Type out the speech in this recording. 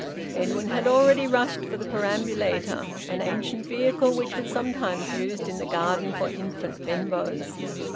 Edwin had already rushed for the perambulator, an ancient vehicle which was sometimes used in the garden for infant Benbows.